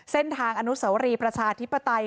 เส้นทางอนุสวรีประชาธิปไตย